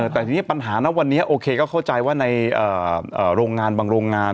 แต่ทีนี้ปัญหานะวันนี้โอเคก็เข้าใจว่าในโรงงานบางโรงงาน